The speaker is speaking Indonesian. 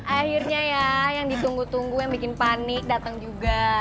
akhirnya ya yang ditunggu tunggu yang bikin panik datang juga